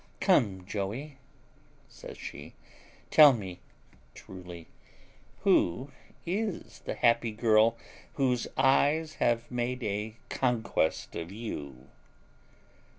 Come, Joey," says she, "tell me truly, who is the happy girl whose eyes have made a conquest of you?"